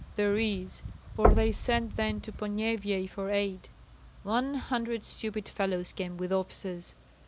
"There is, for they sent then to Ponyevyej for aid. One hundred stupid fellows came with officers.